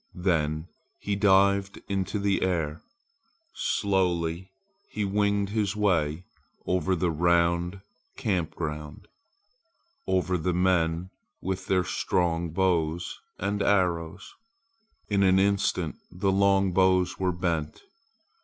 Then he dived into the air. Slowly he winged his way over the round camp ground; over the men with their strong bows and arrows! In an instant the long bows were bent.